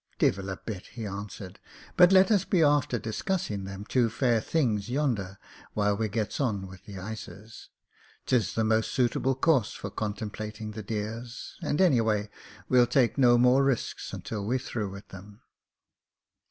"Divil a bit,"* he answered. "But let us be after dis cussing them two fair things yonder while we gets on with the ices. Tis the most suitable course for con templating the dears ; and, anyway, we'll take no more risks until we're through with them."